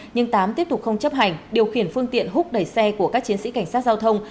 nhưng tám tiếp tục không chấp hành điều khiển phương tiện hút đẩy xe của các chiến sĩ cảnh sát giao thông